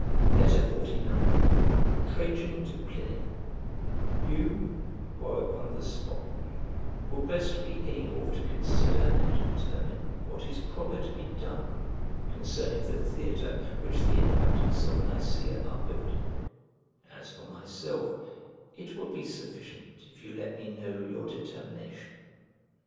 XLIX TRAJAN TO PLINY You, who are upon the spot, will best be able to consider and determine what is proper to be done concerning the theatre which the inhabitants of Nicea are building; as for myself, it will be sufficient if you let me know your determination.